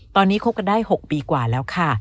ตอนนี้คบกันได้๖ปีกว่าแล้วค่ะ